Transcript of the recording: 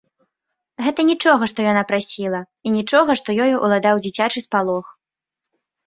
Гэта нічога, што яна прасіла, і нічога, што ёю ўладаў дзіцячы спалох.